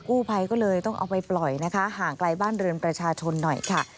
กู้ภัยก็เลยต้องเอาไปปล่อยนะคะห่างไกลบ้านเรือนประชาชนหน่อยค่ะ